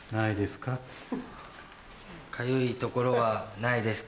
かゆい所はないですか？